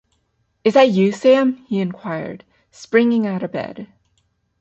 ‘Is that you, Sam?’ he inquired, springing out of bed.